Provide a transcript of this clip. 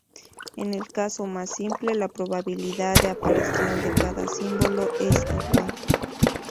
En el caso más simple, la probabilidad de aparición de cada símbolo es igual.